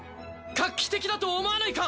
画期的だとは思わないか！？